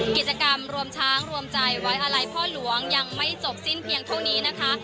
กิจกรรมรวมช้างรวมใจไว้อาลัยพ่อหลวงยังไม่จบสิ้นเพียงเท่านี้นะคะ